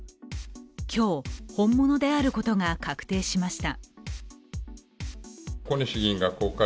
今日、本物であることが確定しました。